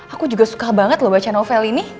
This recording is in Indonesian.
aku juga suka banget loh baca novel ini